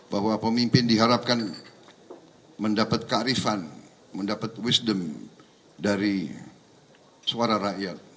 bahwa pemimpin diharapkan mendapat kearifan mendapat wisdom dari suara rakyat